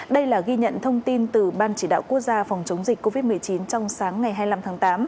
đây là ghi nhận thông tin từ ban chỉ đạo quốc gia phòng chống dịch covid một mươi chín trong sáng ngày hai mươi năm tháng tám